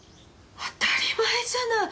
当たり前じゃない。